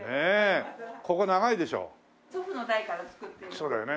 そうだよね。